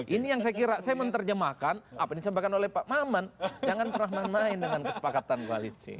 ini yang saya kira saya menerjemahkan apa yang disampaikan oleh pak maman jangan pernah main main dengan kesepakatan koalisi